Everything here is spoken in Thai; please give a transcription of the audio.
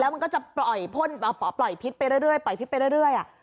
มันก็จะปล่อยพ่นปล่อยพิษไปเรื่อยปล่อยพิษไปเรื่อย